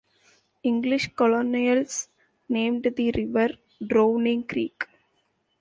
English colonials named the river "Drowning Creek".